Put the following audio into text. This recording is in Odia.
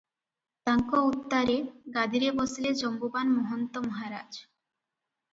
ତାଙ୍କ ଉତ୍ତାରେ ଗାଦିରେ ବସିଲେ ଜମ୍ବୁବାନ୍ ମହନ୍ତ ମହାରାଜ ।